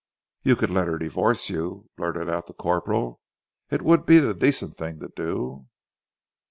"You could let her divorce you!" blurted out the corporal. "It would be the decent thing to do."